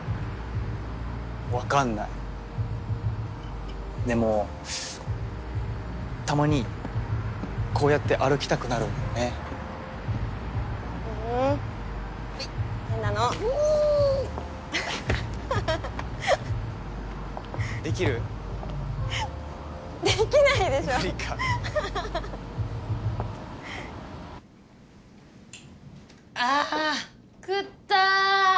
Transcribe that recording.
分かんないでもたまにこうやって歩きたくなるんだよねふん変なのうんハハハできる？できないでしょ無理かあ食った！